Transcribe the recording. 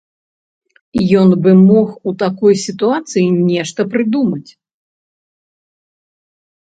Ён бы мог у такой сітуацыі нешта прыдумаць.